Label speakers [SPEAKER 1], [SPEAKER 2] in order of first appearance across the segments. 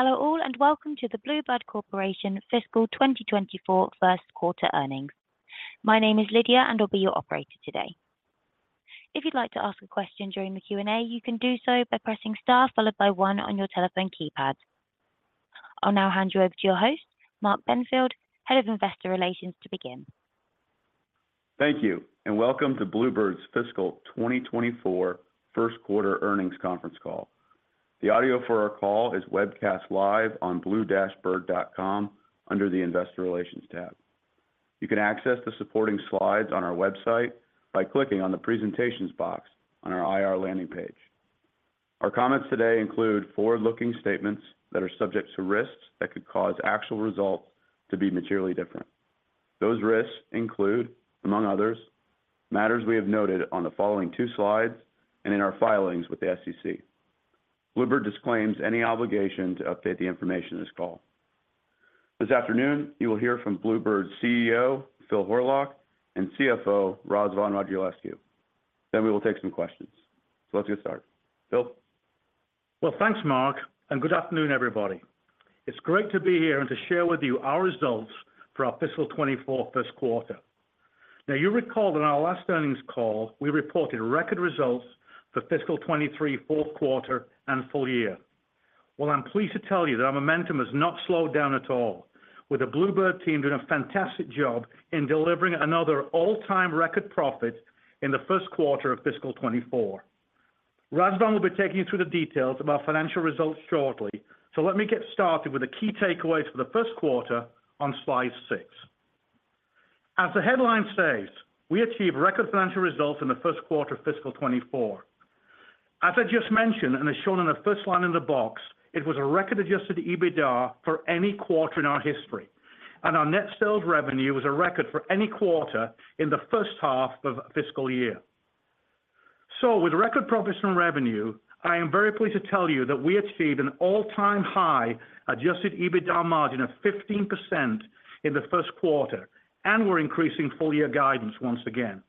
[SPEAKER 1] Hello all, and welcome to the Blue Bird Corporation Fiscal 2024 Q1 Earnings. My name is Lydia, and I'll be your operator today. If you'd like to ask a question during the Q&A, you can do so by pressing star followed by one on your telephone keypad. I'll now hand you over to your host, Mark Benfield, Head of Investor Relations, to begin.
[SPEAKER 2] Thank you, and welcome to Blue Bird's Fiscal 2024 Q1 Earnings conference call. The audio for our call is webcast live on blue-bird.com under the Investor Relations tab. You can access the supporting slides on our website by clicking on the presentations box on our IR landing page. Our comments today include forward-looking statements that are subject to risks that could cause actual results to be materially different. Those risks include, among others, matters we have noted on the following 2 slides and in our filings with the SEC. Blue Bird disclaims any obligation to update the information in this call. This afternoon, you will hear from Blue Bird's CEO, Phil Horlock, and CFO, Razvan Radulescu. Then we will take some questions. So let's get started. Phil?
[SPEAKER 3] Well, thanks, Mark, and good afternoon, everybody. It's great to be here and to share with you our results for our fiscal 2024 Q1. Now, you'll recall that in our last earnings call, we reported record results for fiscal 2023, Q4, and full year. Well, I'm pleased to tell you that our momentum has not slowed down at all, with the Blue Bird team doing a fantastic job in delivering another all-time record profit in the Q1 of fiscal 2024. Razvan will be taking you through the details of our financial results shortly. So let me get started with the key takeaways for the Q1 on slide 6. As the headline says, we achieved record financial results in the Q1 of fiscal 2024. As I just mentioned, and as shown on the first line in the box, it was a record Adjusted EBITDA for any quarter in our history, and our net sales revenue was a record for any quarter in the first half of a fiscal year. So with record profits and revenue, I am very pleased to tell you that we achieved an all-time high Adjusted EBITDA margin of 15% in the Q1, and we're increasing full-year guidance once again.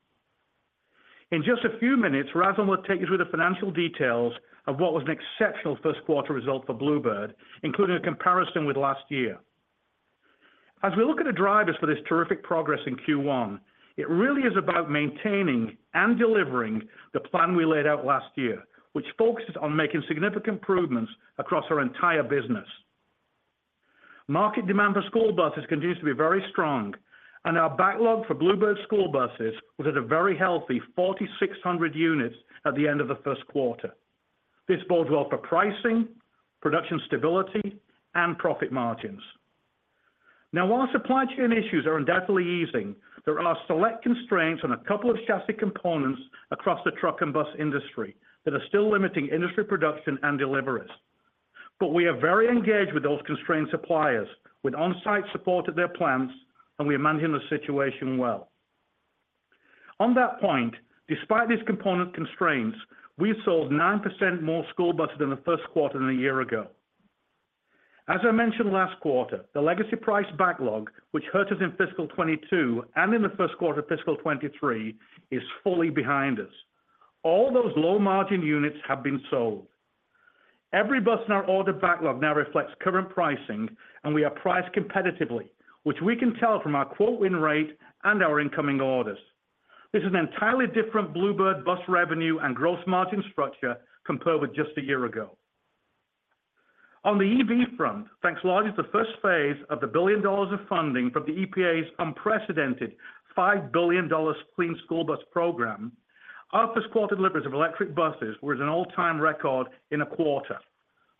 [SPEAKER 3] In just a few minutes, Razvan will take you through the financial details of what was an exceptional Q1 result for Blue Bird, including a comparison with last year. As we look at the drivers for this terrific progress in Q1, it really is about maintaining and delivering the plan we laid out last year, which focuses on making significant improvements across our entire business. Market demand for school buses continues to be very strong, and our backlog for Blue Bird school buses was at a very healthy 4,600 units at the end of the Q1. This bodes well for pricing, production stability, and profit margins. Now, while supply chain issues are undoubtedly easing, there are select constraints on a couple of chassis components across the truck and bus industry that are still limiting industry production and deliveries. But we are very engaged with those constrained suppliers with on-site support at their plants, and we are managing the situation well. On that point, despite these component constraints, we sold 9% more school buses in the Q1 than a year ago. As I mentioned last quarter, the legacy price backlog, which hurt us in fiscal 2022 and in the Q1 of fiscal 2023, is fully behind us. All those low-margin units have been sold. Every bus in our order backlog now reflects current pricing, and we are priced competitively, which we can tell from our quote win rate and our incoming orders. This is an entirely different Blue Bird bus revenue and gross margin structure compared with just a year ago. On the EV front, thanks largely to the first phase of the $1 billion of funding from the EPA's unprecedented $5 billion Clean School Bus Program, our Q1 deliveries of electric buses was an all-time record in a quarter,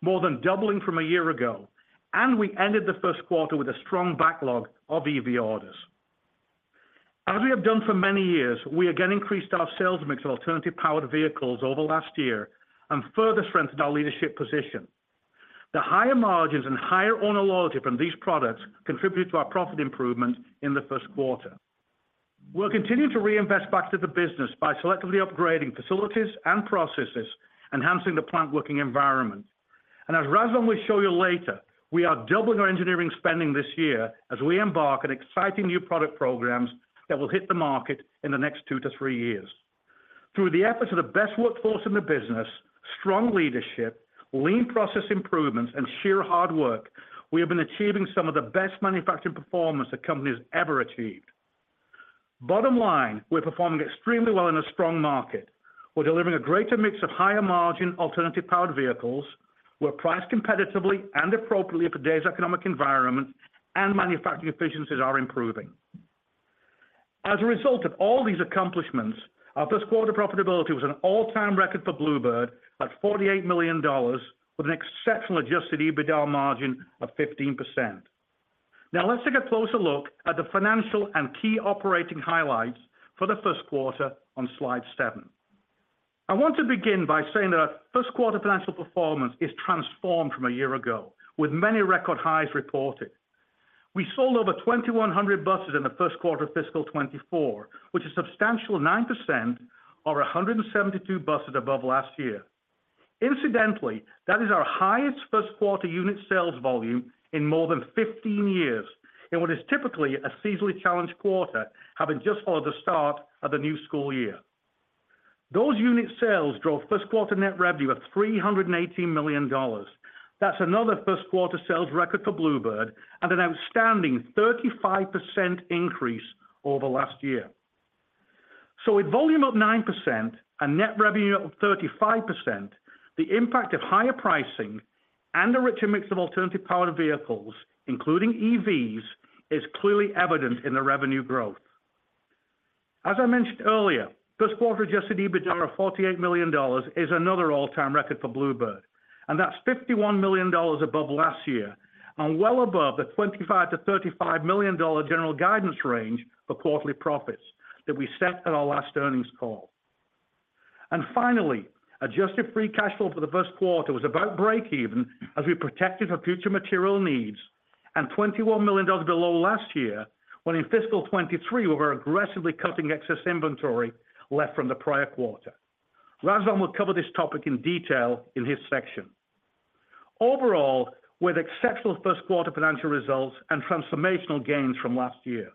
[SPEAKER 3] more than doubling from a year ago, and we ended the Q1 with a strong backlog of EV orders. As we have done for many years, we again increased our sales mix of alternative powered vehicles over last year and further strengthened our leadership position. The higher margins and higher owner loyalty from these products contributed to our profit improvement in the Q1. We'll continue to reinvest back to the business by selectively upgrading facilities and processes, enhancing the plant working environment. As Razvan will show you later, we are doubling our engineering spending this year as we embark on exciting new product programs that will hit the market in the next 2-3 years. Through the efforts of the best workforce in the business, strong leadership, lean process improvements, and sheer hard work, we have been achieving some of the best manufacturing performance the company has ever achieved. Bottom line, we're performing extremely well in a strong market. We're delivering a greater mix of higher-margin alternative powered vehicles. We're priced competitively and appropriately for today's economic environment, and manufacturing efficiencies are improving. As a result of all these accomplishments, our Q1 profitability was an all-time record for Blue Bird at $48 million, with an exceptional Adjusted EBITDA margin of 15%. Now, let's take a closer look at the financial and key operating highlights for the Q1 on slide 7. I want to begin by saying that our Q1 financial performance is transformed from a year ago, with many record highs reported. We sold over 2,100 buses in the Q1 of fiscal 2024, which is a substantial 9% or 172 buses above last year. Incidentally, that is our highest Q1 unit sales volume in more than 15 years, in what is typically a seasonally challenged quarter, having just followed the start of the new school year.... Those unit sales drove Q1 net revenue of $380 million. That's another Q1 sales record for Blue Bird and an outstanding 35% increase over last year. So with volume up 9% and net revenue up 35%, the impact of higher pricing and a richer mix of alternative powered vehicles, including EVs, is clearly evident in the revenue growth. As I mentioned earlier, Q1 Adjusted EBITDA of $48 million is another all-time record for Blue Bird, and that's $51 million above last year and well above the $25 million-$35 million general guidance range for quarterly profits that we set on our last earnings call. Finally, adjusted free cash flow for the Q1 was about break even as we protected for future material needs, and $21 million below last year, when in fiscal 2023, we were aggressively cutting excess inventory left from the prior quarter. Razvan will cover this topic in detail in his section. Overall, we had exceptional Q1 financial results and transformational gains from last year.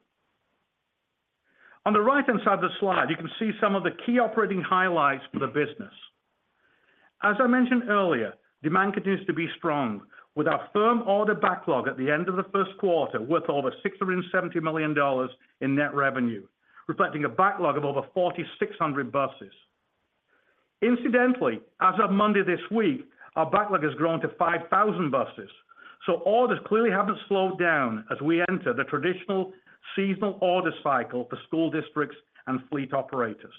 [SPEAKER 3] On the right-hand side of the slide, you can see some of the key operating highlights for the business. As I mentioned earlier, demand continues to be strong, with our firm order backlog at the end of the Q1 worth over $670 million in net revenue, reflecting a backlog of over 4,600 buses. Incidentally, as of Monday this week, our backlog has grown to 5,000 buses, so orders clearly haven't slowed down as we enter the traditional seasonal order cycle for school districts and fleet operators.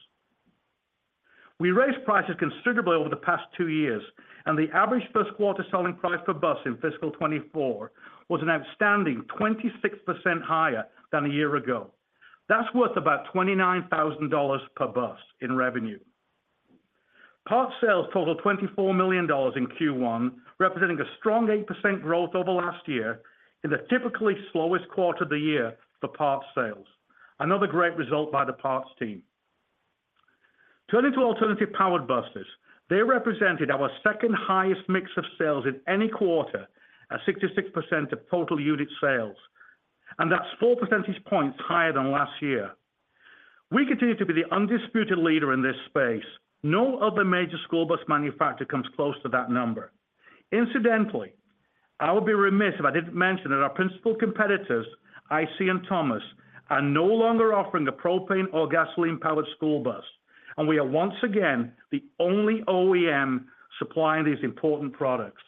[SPEAKER 3] We raised prices considerably over the past two years, and the average Q1 selling price per bus in fiscal 2024 was an outstanding 26% higher than a year ago. That's worth about $29,000 per bus in revenue. Parts sales totaled $24 million in Q1, representing a strong 8% growth over last year in the typically slowest quarter of the year for parts sales. Another great result by the parts team. Turning to alternative-powered buses, they represented our second highest mix of sales in any quarter, at 66% of total unit sales, and that's four percentage points higher than last year. We continue to be the undisputed leader in this space. No other major school bus manufacturer comes close to that number. Incidentally, I would be remiss if I didn't mention that our principal competitors, IC and Thomas, are no longer offering a propane or gasoline-powered school bus, and we are once again, the only OEM supplying these important products.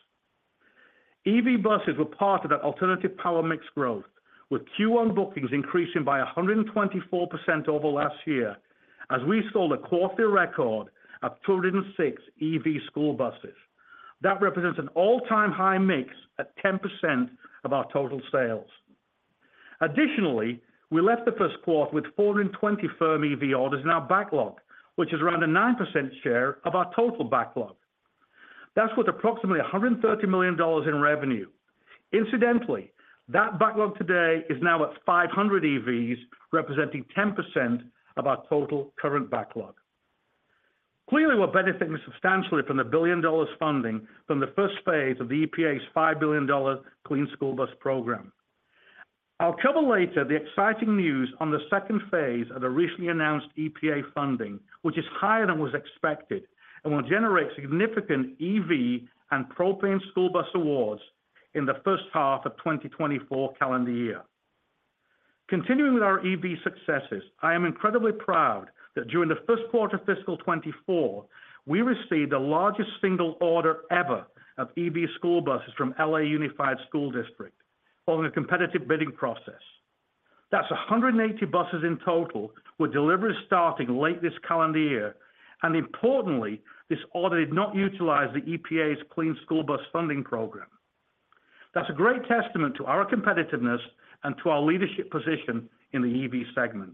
[SPEAKER 3] EV buses were part of that alternative power mix growth, with Q1 bookings increasing by 124% over last year, as we sold a quarterly record of 206 EV school buses. That represents an all-time high mix at 10% of our total sales. Additionally, we left the Q1 with 420 firm EV orders in our backlog, which is around a 9% share of our total backlog. That's worth approximately $130 million in revenue. Incidentally, that backlog today is now at 500 EVs, representing 10% of our total current backlog. Clearly, we're benefiting substantially from the $1 billion funding from the first phase of the EPA's $5 billion Clean School Bus Program. I'll cover later the exciting news on the second phase of the recently announced EPA funding, which is higher than was expected and will generate significant EV and propane school bus awards in the first half of 2024 calendar year. Continuing with our EV successes, I am incredibly proud that during the Q1 of fiscal 2024, we received the largest single order ever of EV school buses from LA Unified School District following a competitive bidding process. That's 180 buses in total, with delivery starting late this calendar year, and importantly, this order did not utilize the EPA's Clean School Bus funding program. That's a great testament to our competitiveness and to our leadership position in the EV segment.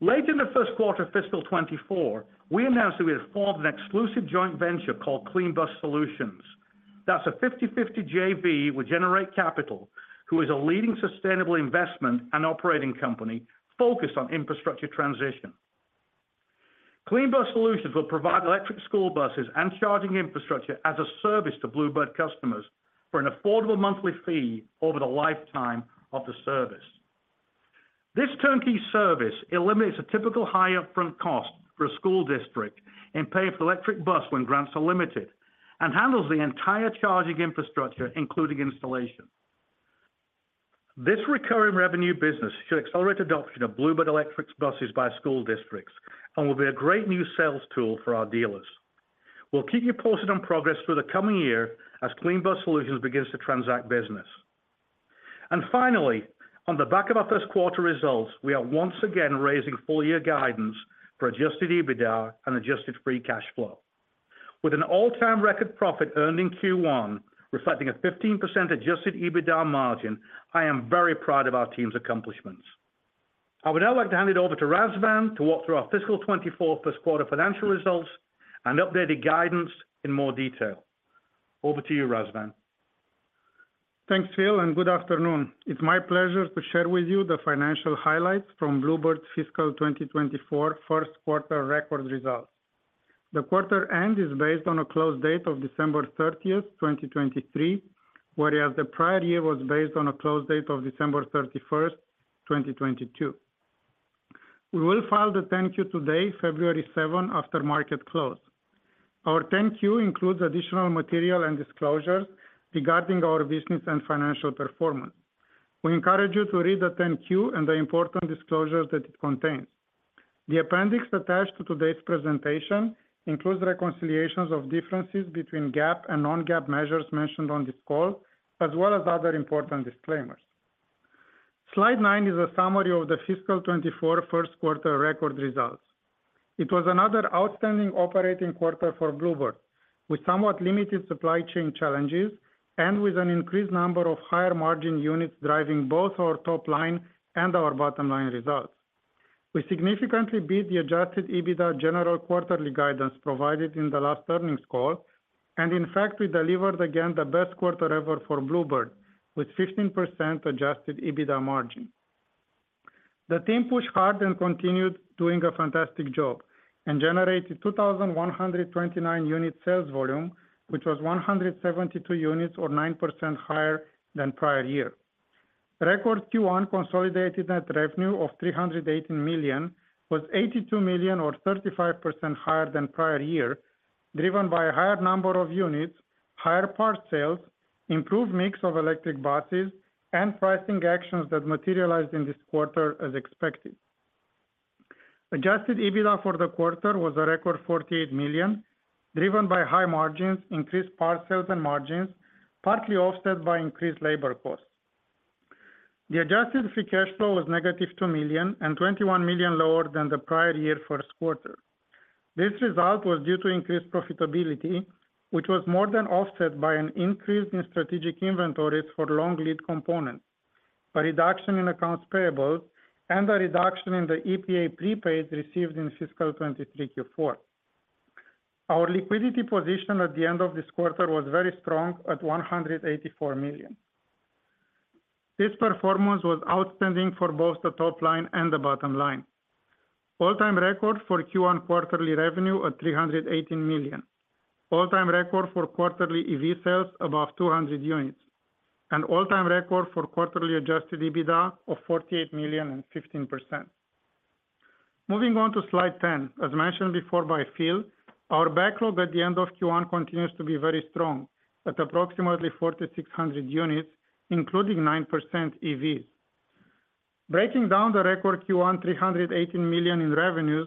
[SPEAKER 3] Late in the Q1 of fiscal 2024, we announced that we had formed an exclusive joint venture called Clean Bus Solutions. That's a 50/50 JV with Generate Capital, who is a leading sustainable investment and operating company focused on infrastructure transition. Clean Bus Solutions will provide electric school buses and charging infrastructure as a service to Blue Bird customers for an affordable monthly fee over the lifetime of the service. This turnkey service eliminates a typical high upfront cost for a school district and pay for the electric bus when grants are limited, and handles the entire charging infrastructure, including installation. This recurring revenue business should accelerate adoption of Blue Bird electric buses by school districts and will be a great new sales tool for our dealers. We'll keep you posted on progress through the coming year as Clean Bus Solutions begins to transact business. Finally, on the back of our Q1 results, we are once again raising full year guidance for Adjusted EBITDA and Adjusted Free Cash Flow. With an all-time record profit earned in Q1, reflecting a 15% Adjusted EBITDA margin, I am very proud of our team's accomplishments. I would now like to hand it over to Razvan to walk through our fiscal 2024 Q1 financial results and updated guidance in more detail. Over to you, Razvan.
[SPEAKER 4] Thanks, Phil, and good afternoon. It's my pleasure to share with you the financial highlights from Blue Bird's fiscal 2024 Q1 record results. The quarter end is based on a close date of December 30, 2023, whereas the prior year was based on a close date of December 31, 2022. We will file the 10-Q today, February 7, after market close. Our 10-Q includes additional material and disclosures regarding our business and financial performance. We encourage you to read the 10-Q and the important disclosures that it contains. The appendix attached to today's presentation includes reconciliations of differences between GAAP and non-GAAP measures mentioned on this call, as well as other important disclaimers. Slide 9 is a summary of the fiscal 2024 Q1 record results. It was another outstanding operating quarter for Blue Bird, with somewhat limited supply chain challenges and with an increased number of higher margin units driving both our top line and our bottom line results. We significantly beat the Adjusted EBITDA general quarterly guidance provided in the last earnings call, and in fact, we delivered again the best quarter ever for Blue Bird, with 15% Adjusted EBITDA margin. The team pushed hard and continued doing a fantastic job and generated 2,129 unit sales volume, which was 172 units or 9% higher than prior year. Record Q1 consolidated net revenue of $318 million was $82 million, or 35% higher than prior year, driven by a higher number of units, higher parts sales, improved mix of electric buses, and pricing actions that materialized in this quarter as expected. Adjusted EBITDA for the quarter was a record $48 million, driven by high margins, increased parts sales and margins, partly offset by increased labor costs. The adjusted free cash flow was negative $2 million and $21 million lower than the prior year Q1. This result was due to increased profitability, which was more than offset by an increase in strategic inventories for long lead components, a reduction in accounts payable, and a reduction in the EPA prepaid received in fiscal 2023 Q4. Our liquidity position at the end of this quarter was very strong at $184 million. This performance was outstanding for both the top line and the bottom line. All-time record for Q1 quarterly revenue at $318 million. All-time record for quarterly EV sales above 200 units, and all-time record for quarterly Adjusted EBITDA of $48 million and 15%. Moving on to slide 10. As mentioned before by Phil, our backlog at the end of Q1 continues to be very strong at approximately 4,600 units, including 9% EVs. Breaking down the record Q1, $318 million in revenues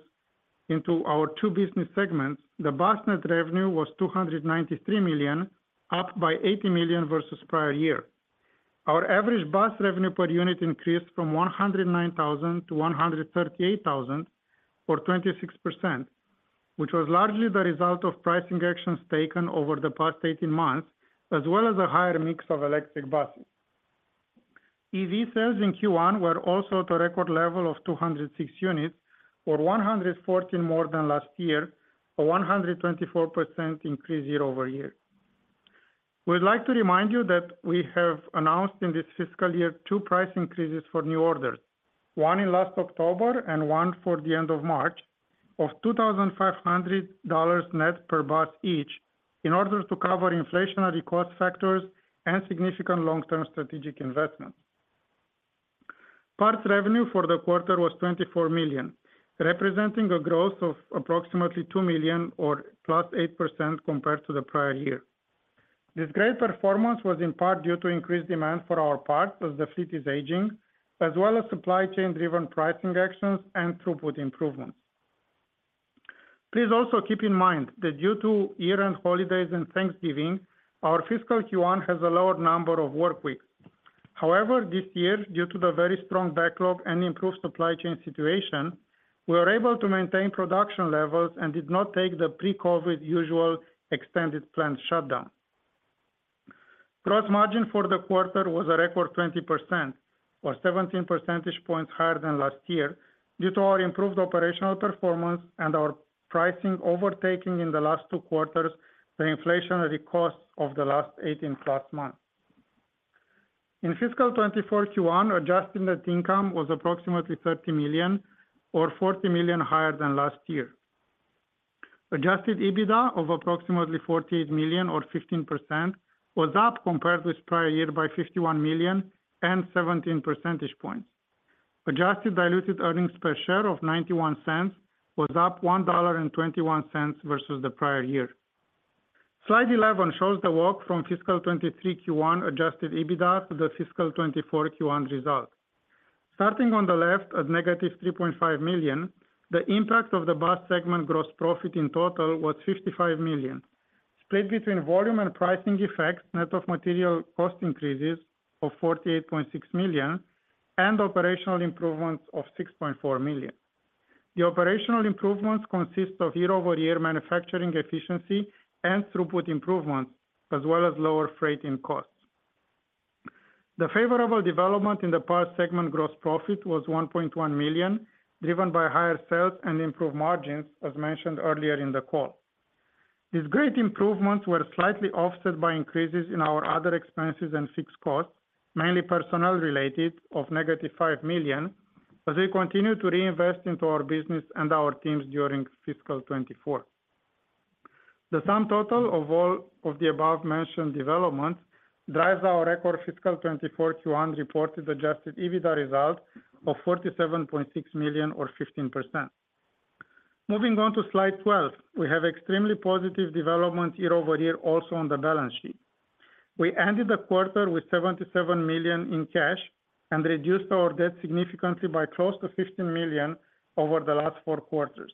[SPEAKER 4] into our two business segments, the bus net revenue was $293 million, up by $80 million versus prior year. Our average bus revenue per unit increased from $109,000 to $138,000, or 26%, which was largely the result of pricing actions taken over the past 18 months, as well as a higher mix of electric buses. EV sales in Q1 were also at a record level of 206 units, or 114 more than last year, a 124% increase year over year. We'd like to remind you that we have announced in this fiscal year two price increases for new orders, one in last October and one for the end of March, of $2,500 net per bus each, in order to cover inflationary cost factors and significant long-term strategic investments. Parts revenue for the quarter was $24 million, representing a growth of approximately $2 million or +8% compared to the prior year. This great performance was in part due to increased demand for our parts as the fleet is aging, as well as supply chain-driven pricing actions and throughput improvements. Please also keep in mind that due to year-end holidays and Thanksgiving, our fiscal Q1 has a lower number of workweeks. However, this year, due to the very strong backlog and improved supply chain situation, we were able to maintain production levels and did not take the pre-COVID usual extended plant shutdown. Gross margin for the quarter was a record 20%, or 17 percentage points higher than last year, due to our improved operational performance and our pricing overtaking in the last two quarters, the inflationary costs of the last 18+ months. In fiscal 2024 Q1, adjusted net income was approximately $30 million or $40 million higher than last year. Adjusted EBITDA of approximately $48 million or 15%, was up compared with prior year by $51 million and 17 percentage points. Adjusted diluted earnings per share of $0.91 was up $1.21 versus the prior year. Slide 11 shows the walk from fiscal 2023 Q1 Adjusted EBITDA to the fiscal 2024 Q1 results. Starting on the left at -$3.5 million, the impact of the bus segment gross profit in total was $55 million, split between volume and pricing effects, net of material cost increases of $48.6 million, and operational improvements of $6.4 million. The operational improvements consist of year-over-year manufacturing efficiency and throughput improvements, as well as lower freight in costs. The favorable development in the parts segment gross profit was $1.1 million, driven by higher sales and improved margins, as mentioned earlier in the call. These great improvements were slightly offset by increases in our other expenses and fixed costs, mainly personnel-related, of -$5 million, as we continue to reinvest into our business and our teams during fiscal 2024. The sum total of all of the above-mentioned developments drives our record fiscal 2024 Q1 reported Adjusted EBITDA result of $47.6 million or 15%. Moving on to slide 12, we have extremely positive development year-over-year also on the balance sheet. We ended the quarter with $77 million in cash and reduced our debt significantly by close to $15 million over the last 4 quarters.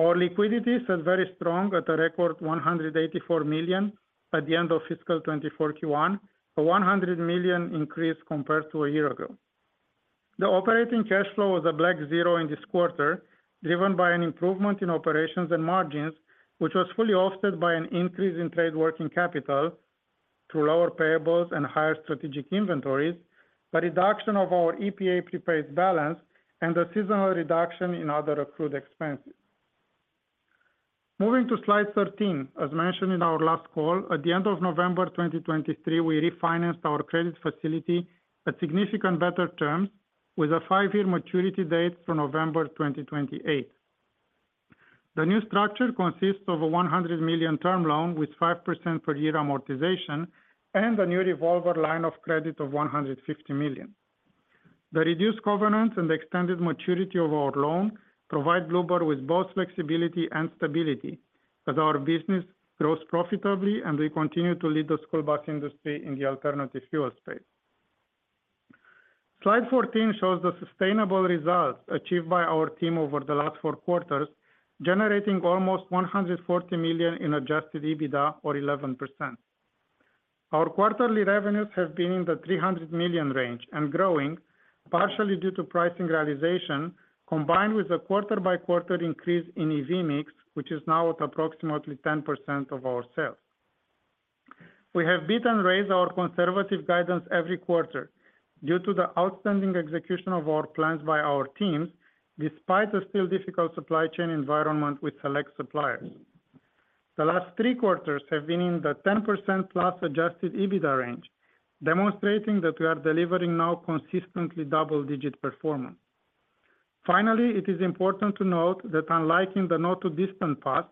[SPEAKER 4] Our liquidity is very strong at a record $184 million at the end of fiscal 2024 Q1, a $100 million increase compared to a year ago. The operating cash flow was a black zero in this quarter, driven by an improvement in operations and margins, which was fully offset by an increase in trade working capital through lower payables and higher strategic inventories, the reduction of our EPA prepaid balance, and the seasonal reduction in other accrued expenses. Moving to slide 13, as mentioned in our last call, at the end of November 2023, we refinanced our credit facility at significant better terms with a 5-year maturity date for November 2028. The new structure consists of a $100 million term loan with 5% per year amortization and a new revolver line of credit of $150 million. The reduced covenant and the extended maturity of our loan provide Blue Bird with both flexibility and stability as our business grows profitably, and we continue to lead the school bus industry in the alternative fuel space. Slide 14 shows the sustainable results achieved by our team over the last four quarters, generating almost $140 million in Adjusted EBITDA or 11%. Our quarterly revenues have been in the $300 million range and growing, partially due to pricing realization, combined with a quarter-by-quarter increase in EV mix, which is now at approximately 10% of our sales. We have beat and raised our conservative guidance every quarter due to the outstanding execution of our plans by our teams, despite the still difficult supply chain environment with select suppliers. The last three quarters have been in the 10%+ Adjusted EBITDA range, demonstrating that we are delivering now consistently double-digit performance. Finally, it is important to note that unlike in the not-too-distant past,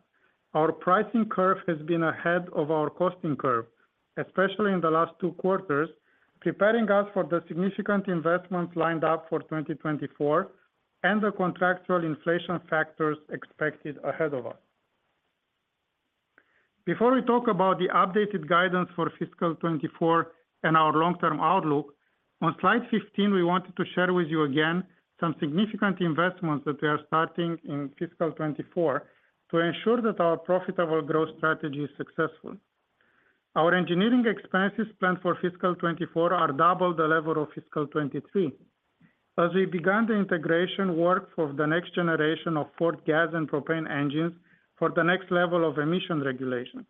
[SPEAKER 4] our pricing curve has been ahead of our costing curve, especially in the last two quarters, preparing us for the significant investments lined up for 2024 and the contractual inflation factors expected ahead of us. Before we talk about the updated guidance for fiscal 2024 and our long-term outlook, on slide 15, we wanted to share with you again some significant investments that we are starting in fiscal 2024 to ensure that our profitable growth strategy is successful. Our engineering expenses planned for fiscal 2024 are double the level of fiscal 2023. As we began the integration work for the next generation of Ford gas and propane engines for the next level of emission regulation.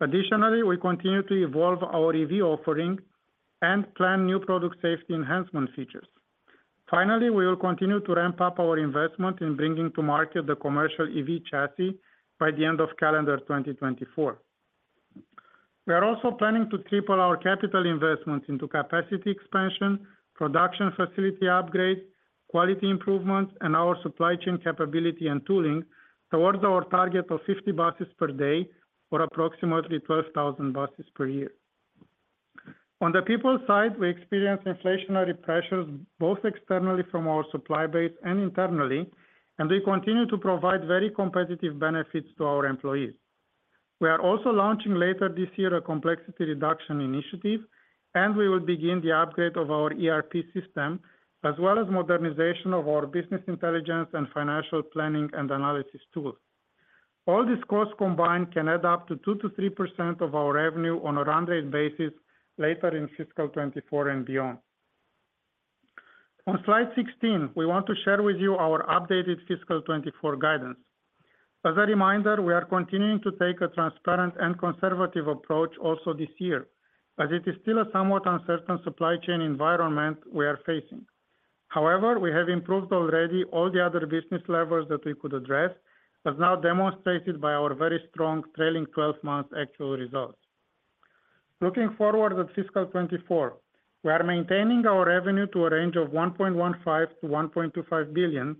[SPEAKER 4] Additionally, we continue to evolve our EV offering and plan new product safety enhancement features. Finally, we will continue to ramp up our investment in bringing to market the commercial EV chassis by the end of calendar 2024. We are also planning to triple our capital investment into capacity expansion, production facility upgrades, quality improvements, and our supply chain capability and tooling towards our target of 50 buses per day for approximately 12,000 buses per year. On the people side, we experienced inflationary pressures, both externally from our supply base and internally, and we continue to provide very competitive benefits to our employees. We are also launching later this year a complexity reduction initiative, and we will begin the upgrade of our ERP system, as well as modernization of our business intelligence and financial planning and analysis tools. All these costs combined can add up to 2%-3% of our revenue on a run rate basis later in fiscal 2024 and beyond. On slide 16, we want to share with you our updated fiscal 2024 guidance. As a reminder, we are continuing to take a transparent and conservative approach also this year, as it is still a somewhat uncertain supply chain environment we are facing. However, we have improved already all the other business levers that we could address, as now demonstrated by our very strong trailing twelve-month actual results. Looking forward at fiscal 2024, we are maintaining our revenue to a range of $1.15 billion-$1.25 billion,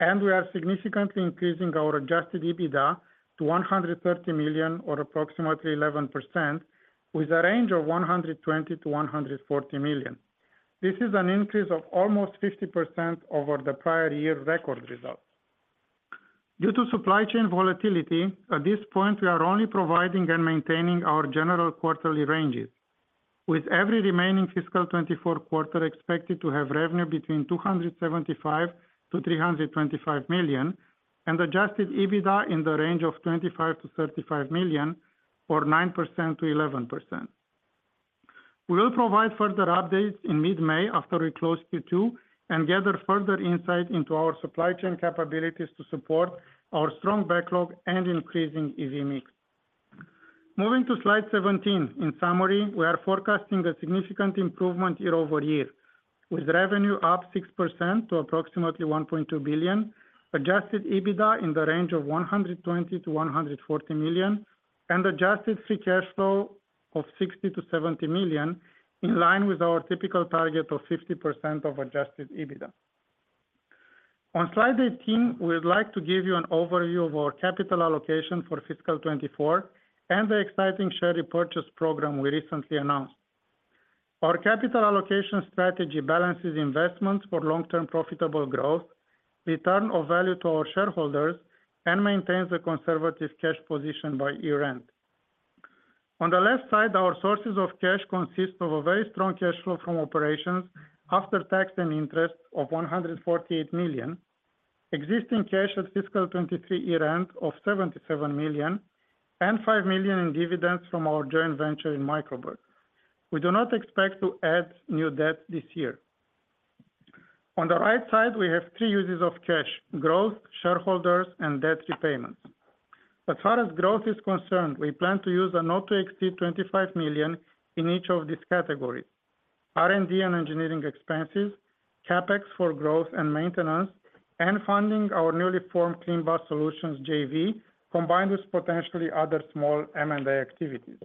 [SPEAKER 4] and we are significantly increasing our Adjusted EBITDA to $130 million or approximately 11%, with a range of $120 million-$140 million. This is an increase of almost 50% over the prior year's record results. Due to supply chain volatility, at this point, we are only providing and maintaining our general quarterly ranges, with every remaining fiscal 2024 quarter expected to have revenue between $275 million-$325 million and Adjusted EBITDA in the range of $25 million-$35 million or 9%-11%. We will provide further updates in mid-May after we close Q2 and gather further insight into our supply chain capabilities to support our strong backlog and increasing EV mix. Moving to slide 17. In summary, we are forecasting a significant improvement year-over-year, with revenue up 6% to approximately $1.2 billion, Adjusted EBITDA in the range of $120 million-$140 million, and Adjusted Free Cash Flow of $60 million-$70 million, in line with our typical target of 50% of Adjusted EBITDA. On slide 18, we'd like to give you an overview of our capital allocation for fiscal 2024 and the exciting share repurchase program we recently announced. Our capital allocation strategy balances investments for long-term profitable growth, return of value to our shareholders, and maintains a conservative cash position by year-end. On the left side, our sources of cash consist of a very strong cash flow from operations after tax and interest of $148 million, existing cash at fiscal 2023 year-end of $77 million, and $5 million in dividends from our joint venture in Micro Bird. We do not expect to add new debt this year. On the right side, we have three uses of cash: growth, shareholders, and debt repayments. As far as growth is concerned, we plan to use a not-to-exceed $25 million in each of these categories: R&D and engineering expenses, CapEx for growth and maintenance, and funding our newly formed Clean Bus Solutions JV, combined with potentially other small M&A activities.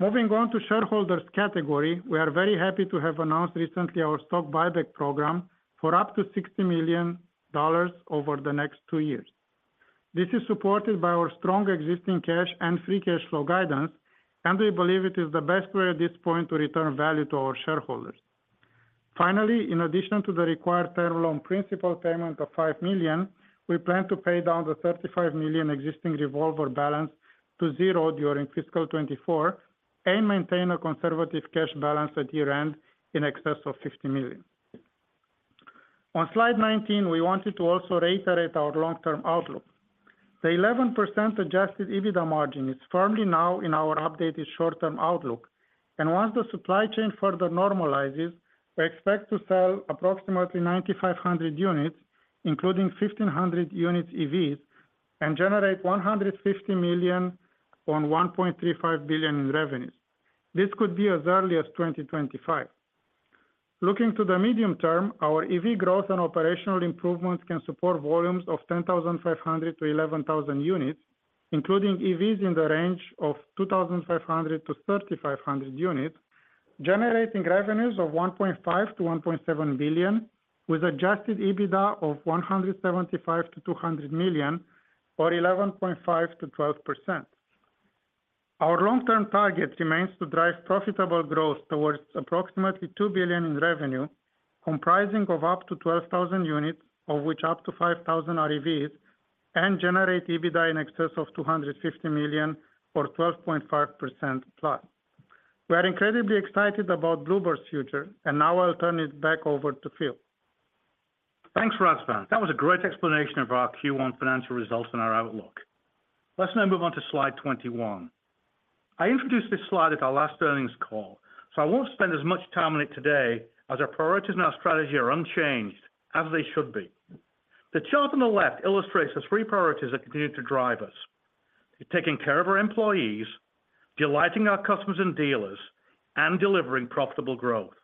[SPEAKER 4] Moving on to shareholders category, we are very happy to have announced recently our stock buyback program for up to $60 million over the next 2 years. This is supported by our strong existing cash and free cash flow guidance, and we believe it is the best way at this point to return value to our shareholders. Finally, in addition to the required term loan principal payment of $5 million, we plan to pay down the $35 million existing revolver balance to zero during fiscal 2024 and maintain a conservative cash balance at year-end in excess of $50 million. On slide 19, we wanted to also reiterate our long-term outlook. The 11% Adjusted EBITDA margin is firmly now in our updated short-term outlook, and once the supply chain further normalizes, we expect to sell approximately 9,500 units, including 1,500 units EVs, and generate $150 million on $1.35 billion in revenues. This could be as early as 2025. Looking to the medium term, our EV growth and operational improvements can support volumes of 10,500 to 11,000 units, including EVs in the range of 2,500 to 3,500 units, generating revenues of $1.5-$1.7 billion, with Adjusted EBITDA of $175-$200 million or 11.5%-12%. Our long-term target remains to drive profitable growth towards approximately $2 billion in revenue, comprising of up to 12,000 units, of which up to 5,000 are EVs, and generate EBITDA in excess of $250 million or 12.5%+. We are incredibly excited about Blue Bird's future, and now I'll turn it back over to Phil.
[SPEAKER 3] Thanks, Razvan. That was a great explanation of our Q1 financial results and our outlook. Let's now move on to slide 21. I introduced this slide at our last earnings call, so I won't spend as much time on it today as our priorities and our strategy are unchanged, as they should be. The chart on the left illustrates the three priorities that continue to drive us: taking care of our employees, delighting our customers and dealers, and delivering profitable growth.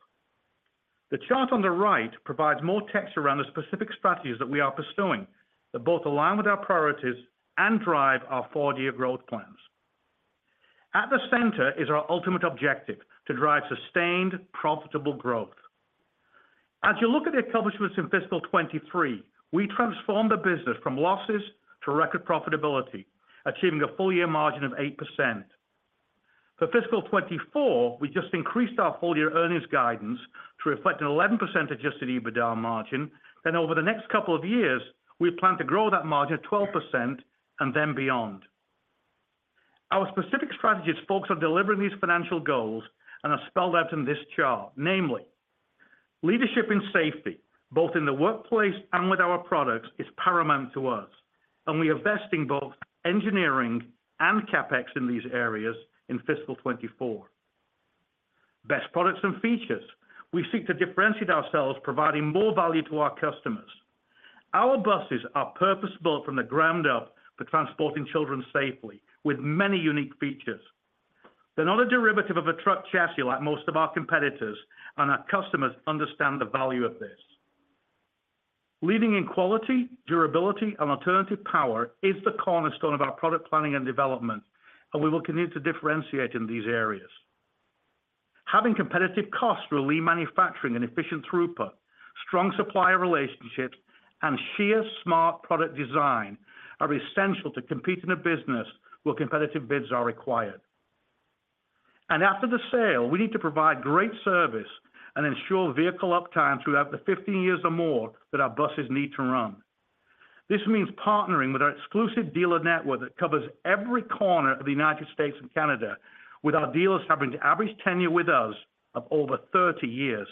[SPEAKER 3] The chart on the right provides more text around the specific strategies that we are pursuing, that both align with our priorities and drive our four-year growth plans. At the center is our ultimate objective, to drive sustained, profitable growth. As you look at the accomplishments in fiscal 2023, we transformed the business from losses to record profitability, achieving a full year margin of 8%. For fiscal 2024, we just increased our full year earnings guidance to reflect an 11% Adjusted EBITDA margin, and over the next couple of years, we plan to grow that margin to 12% and then beyond. Our specific strategies focus on delivering these financial goals and are spelled out in this chart. Namely, leadership and safety, both in the workplace and with our products, is paramount to us, and we are investing both engineering and CapEx in these areas in fiscal 2024. Best products and features. We seek to differentiate ourselves, providing more value to our customers. Our buses are purpose-built from the ground up for transporting children safely, with many unique features. They're not a derivative of a truck chassis like most of our competitors, and our customers understand the value of this. Leading in quality, durability, and alternative power is the cornerstone of our product planning and development, and we will continue to differentiate in these areas. Having competitive costs through lean manufacturing and efficient throughput, strong supplier relationships, and sheer smart product design are essential to compete in a business where competitive bids are required. After the sale, we need to provide great service and ensure vehicle uptime throughout the 15 years or more that our buses need to run. This means partnering with our exclusive dealer network that covers every corner of the United States and Canada, with our dealers having an average tenure with us of over 30 years.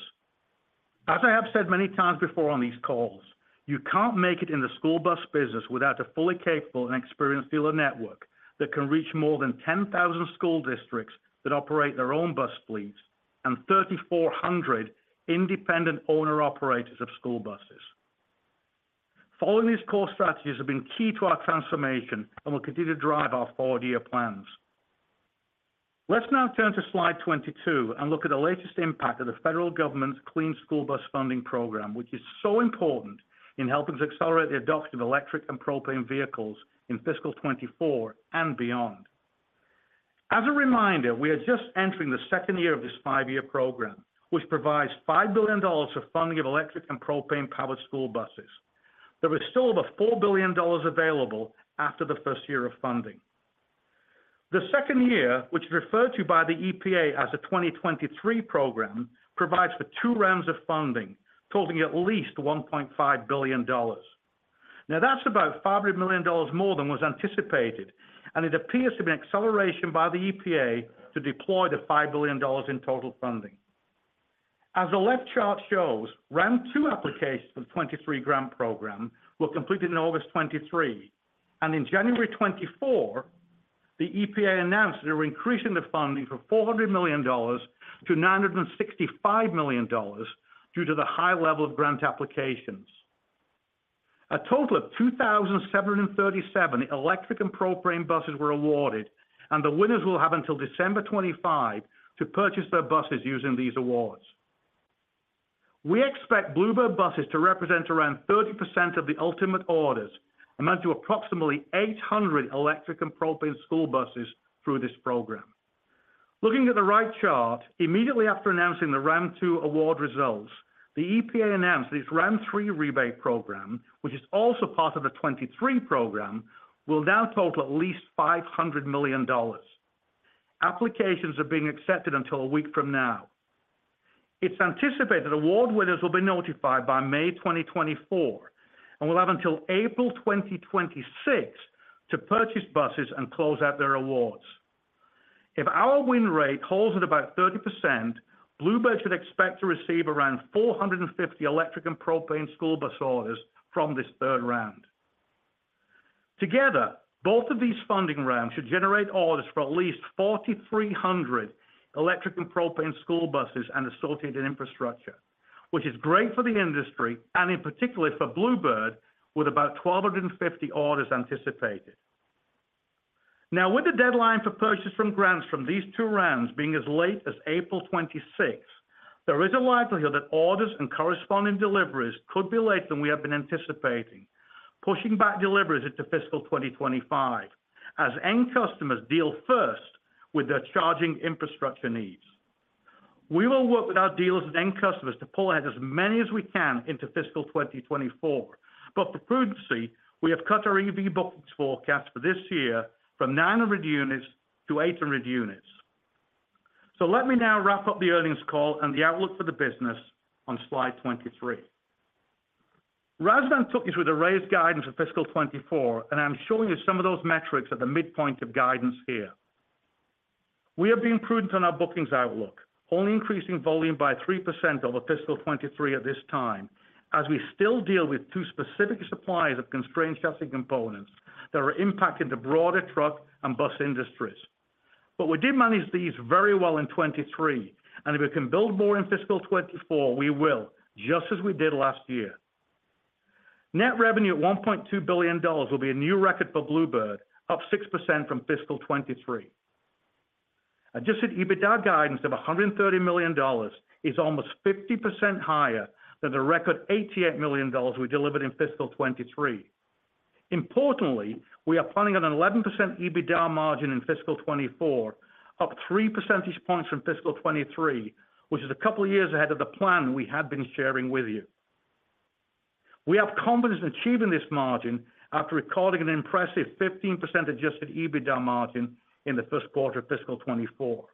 [SPEAKER 3] As I have said many times before on these calls, you can't make it in the school bus business without a fully capable and experienced dealer network that can reach more than 10,000 school districts that operate their own bus fleets and 3,400 independent owner-operators of school buses. Following these core strategies have been key to our transformation and will continue to drive our 4-year plans. Let's now turn to slide 22 and look at the latest impact of the federal government's Clean School Bus Funding program, which is so important in helping to accelerate the adoption of electric and propane vehicles in fiscal 2024 and beyond. As a reminder, we are just entering the second year of this 5-year program, which provides $5 billion of funding of electric and propane-powered school buses. There is still over $4 billion available after the first year of funding. The second year, which is referred to by the EPA as a 2023 program, provides for two rounds of funding, totaling at least $1.5 billion. Now, that's about $500 million more than was anticipated, and it appears to be an acceleration by the EPA to deploy the $5 billion in total funding. As the left chart shows, Round Two applications for the 2023 grant program were completed in August 2023, and in January 2024, the EPA announced that they were increasing the funding from $400 million to $965 million due to the high level of grant applications. A total of 2,737 electric and propane buses were awarded, and the winners will have until December 2025 to purchase their buses using these awards. We expect Blue Bird buses to represent around 30% of the ultimate orders, amounting to approximately 800 electric and propane school buses through this program. Looking at the right chart, immediately after announcing the Round Two award results, the EPA announced this Round Three rebate program, which is also part of the 2023 program, will now total at least $500 million. Applications are being accepted until a week from now. It's anticipated award winners will be notified by May 2024, and will have until April 2026 to purchase buses and close out their awards. If our win rate holds at about 30%, Blue Bird should expect to receive around 450 electric and propane school bus orders from this third round. Together, both of these funding rounds should generate orders for at least 4,300 electric and propane school buses and associated infrastructure, which is great for the industry, and in particular for Blue Bird, with about 1,250 orders anticipated. Now, with the deadline for purchase from grants from these two rounds being as late as April 26, there is a likelihood that orders and corresponding deliveries could be later than we have been anticipating, pushing back deliveries into fiscal 2025, as end customers deal first with their charging infrastructure needs. We will work with our dealers and end customers to pull ahead as many as we can into fiscal 2024, but for prudence, we have cut our EV bookings forecast for this year from 900 units to 800 units. Let me now wrap up the earnings call and the outlook for the business on slide 23. Razvan took you through the raised guidance for fiscal 2024, and I'm showing you some of those metrics at the midpoint of guidance here. We have been prudent on our bookings outlook, only increasing volume by 3% over fiscal 2023 at this time, as we still deal with two specific suppliers of constrained chassis components that are impacting the broader truck and bus industries. But we did manage these very well in 2023, and if we can build more in fiscal 2024, we will, just as we did last year. Net revenue at $1.2 billion will be a new record for Blue Bird, up 6% from fiscal 2023. Adjusted EBITDA guidance of $130 million is almost 50% higher than the record $88 million we delivered in fiscal 2023. Importantly, we are planning on an 11% EBITDA margin in fiscal 2024, up three percentage points from fiscal 2023, which is a couple of years ahead of the plan we had been sharing with you. We have confidence in achieving this margin after recording an impressive 15% Adjusted EBITDA margin in the Q1 of fiscal 2024.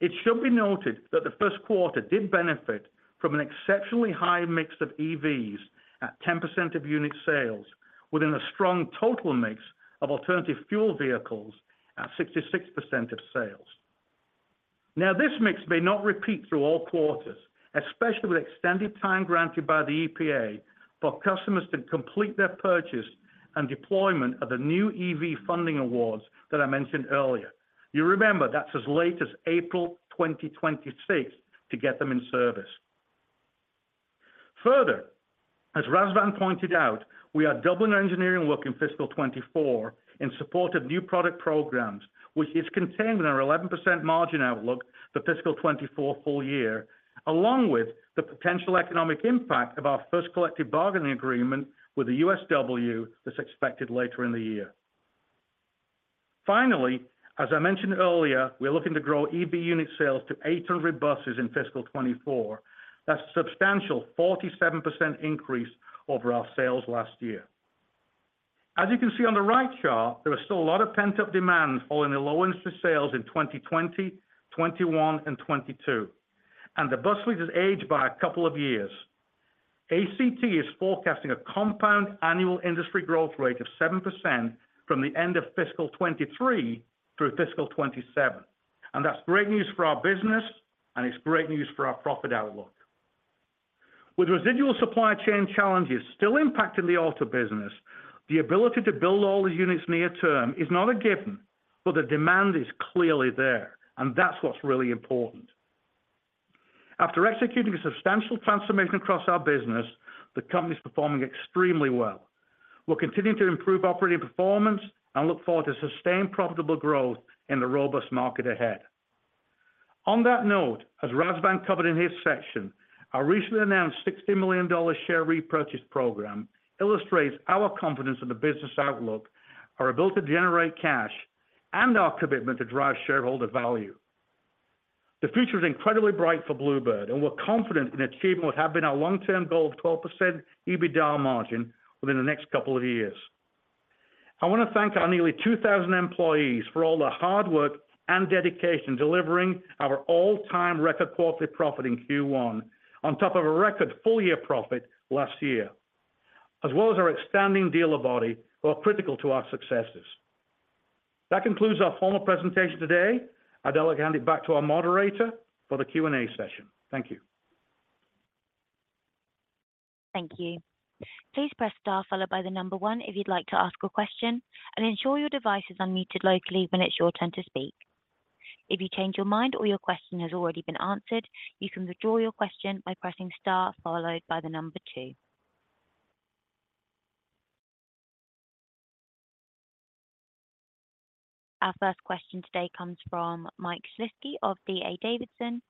[SPEAKER 3] It should be noted that the Q1 did benefit from an exceptionally high mix of EVs at 10% of unit sales, within a strong total mix of alternative fuel vehicles at 66% of sales. Now, this mix may not repeat through all quarters, especially with extended time granted by the EPA for customers to complete their purchase and deployment of the new EV funding awards that I mentioned earlier. You remember, that's as late as April 2026 to get them in service. Further, as Razvan pointed out, we are doubling our engineering work in fiscal 2024 in support of new product programs, which is contained in our 11% margin outlook for fiscal 2024 full year, along with the potential economic impact of our first collective bargaining agreement with the USW that's expected later in the year. Finally, as I mentioned earlier, we're looking to grow EV unit sales to 800 buses in fiscal 2024. That's a substantial 47% increase over our sales last year. As you can see on the right chart, there is still a lot of pent-up demand following the low interest sales in 2020, 2021 and 2022, and the bus fleet has aged by a couple of years. ACT is forecasting a compound annual industry growth rate of 7% from the end of fiscal 2023 through fiscal 2027, and that's great news for our business and it's great news for our profit outlook. With residual supply chain challenges still impacting the auto business, the ability to build all the units near term is not a given, but the demand is clearly there, and that's what's really important.... After executing a substantial transformation across our business, the company is performing extremely well. We're continuing to improve operating performance and look forward to sustained profitable growth in the robust market ahead. On that note, as Razvan covered in his section, our recently announced $60 million share repurchase program illustrates our confidence in the business outlook, our ability to generate cash, and our commitment to drive shareholder value. The future is incredibly bright for Blue Bird, and we're confident in achieving what have been our long-term goal of 12% EBITDA margin within the next couple of years. I want to thank our nearly 2,000 employees for all the hard work and dedication, delivering our all-time record quarterly profit in Q1, on top of a record full-year profit last year, as well as our outstanding dealer body, who are critical to our successes. That concludes our formal presentation today. I'd now like to hand it back to our moderator for the Q&A session. Thank you.
[SPEAKER 1] Thank you. Please press star followed by the number one if you'd like to ask a question, and ensure your device is unmuted locally when it's your turn to speak. If you change your mind or your question has already been answered, you can withdraw your question by pressing star followed by the number two. Our first question today comes from Michael Shlisky of D.A. Davidson.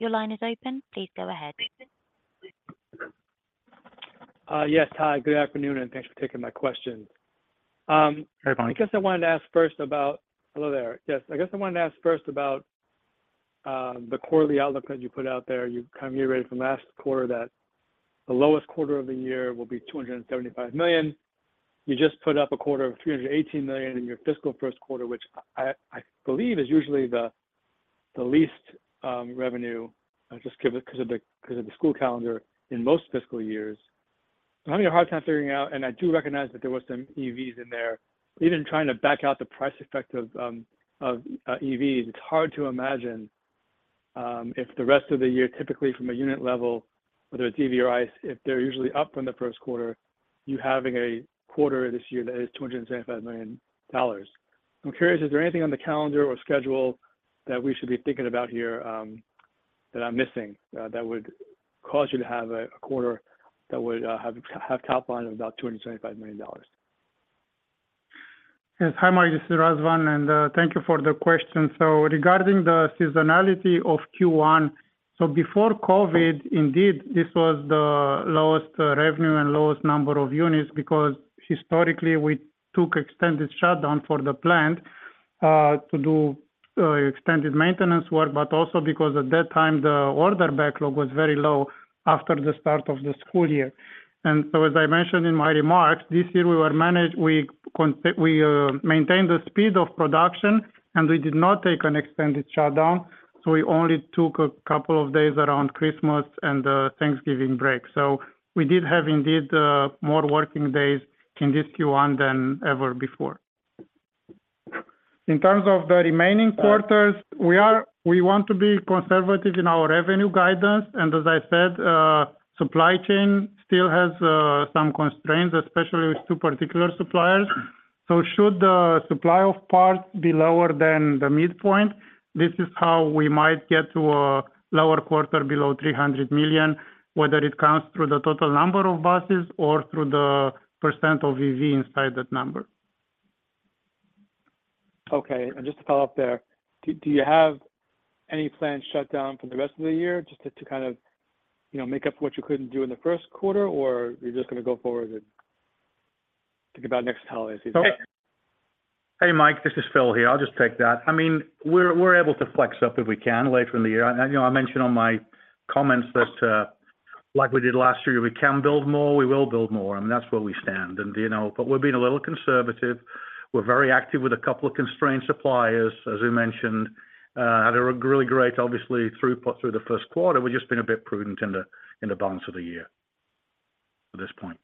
[SPEAKER 1] Your line is open. Please go ahead.
[SPEAKER 5] Yes, hi, good afternoon, and thanks for taking my question.
[SPEAKER 3] Hi, Mike.
[SPEAKER 5] I guess I wanted to ask first about the quarterly outlook that you put out there. You kind of reiterated from last quarter that the lowest quarter of the year will be $275 million. You just put up a quarter of $318 million in your fiscal Q1, which I believe is usually the least revenue just give it because of the school calendar in most fiscal years. So I'm having a hard time figuring out, and I do recognize that there was some EVs in there. Even trying to back out the price effect of EVs, it's hard to imagine if the rest of the year, typically from a unit level, whether it's EV or ICE, if they're usually up from the Q1, you having a quarter this year that is $275 million. I'm curious, is there anything on the calendar or schedule that we should be thinking about here that I'm missing that would cause you to have a quarter that would have top line of about $275 million?
[SPEAKER 4] Yes. Hi, Mike, this is Razvan, and thank you for the question. So regarding the seasonality of Q1, so before COVID, indeed, this was the lowest revenue and lowest number of units because historically, we took extended shutdown for the plant to do extended maintenance work, but also because at that time, the order backlog was very low after the start of the school year. And so as I mentioned in my remarks, this year, we maintained the speed of production, and we did not take an extended shutdown, so we only took a couple of days around Christmas and Thanksgiving break. So we did have indeed more working days in this Q1 than ever before. In terms of the remaining quarters, we want to be conservative in our revenue guidance, and as I said, supply chain still has some constraints, especially with two particular suppliers. So should the supply of parts be lower than the midpoint, this is how we might get to a lower quarter below $300 million, whether it comes through the total number of buses or through the % of EV inside that number.
[SPEAKER 5] Okay, and just to follow up there, do you have any planned shutdown for the rest of the year just to kind of, you know, make up what you couldn't do in the Q1, or you're just going to go forward and think about next holiday season?
[SPEAKER 3] Hey, Mike, this is Phil here. I'll just take that. I mean, we're, we're able to flex up if we can later in the year. And, you know, I mentioned on my comments that, like we did last year, we can build more, we will build more, and that's where we stand. And, you know, but we're being a little conservative. We're very active with a couple of constrained suppliers, as we mentioned. They're really great, obviously, through the Q1. We've just been a bit prudent in the balance of the year at this point.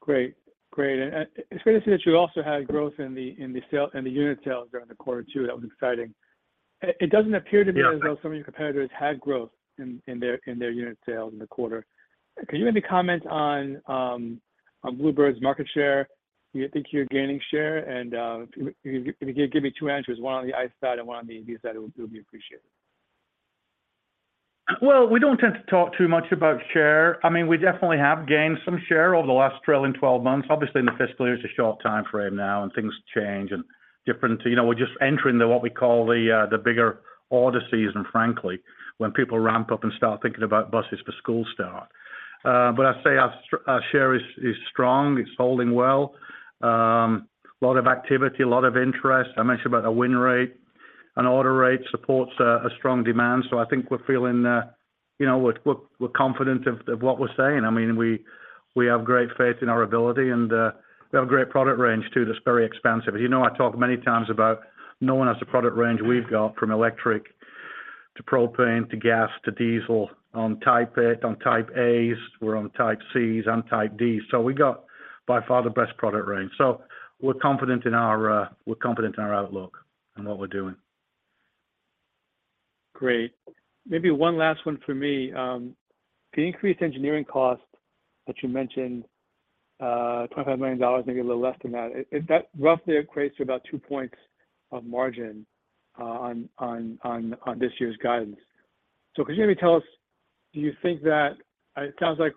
[SPEAKER 5] Great. Great, and it's fair to say that you also had growth in the, in the sale, in the unit sales during the quarter, too. That was exciting.
[SPEAKER 3] Yeah.
[SPEAKER 5] It doesn't appear to be as though some of your competitors had growth in their unit sales in the quarter. Can you maybe comment on Blue Bird's market share? Do you think you're gaining share? And if you could give me two answers, one on the ICE side and one on the EV side, it would be appreciated.
[SPEAKER 3] Well, we don't tend to talk too much about share. I mean, we definitely have gained some share over the last trailing 12 months. Obviously, in the fiscal year, it's a short time frame now, and things change and different. You know, we're just entering the, what we call the bigger order season, frankly, when people ramp up and start thinking about buses for school start. But I'd say our share is strong, it's holding well. A lot of activity, a lot of interest. I mentioned about a win rate, and order rate supports a strong demand. So I think we're feeling, you know, we're confident of what we're saying. I mean, we have great faith in our ability, and we have a great product range, too, that's very expansive. You know, I talk many times about no one has the product range we've got from electric to propane, to gas, to diesel, on Type A, on Type As, we're on Type Cs and Type Ds. So we got by far the best product range. So we're confident in our, we're confident in our outlook and what we're doing.
[SPEAKER 5] Great. Maybe one last one for me. The increased engineering cost that you mentioned, $25 million, maybe a little less than that. That roughly equates to about 2 points of margin on this year's guidance. So could you maybe tell us, it sounds like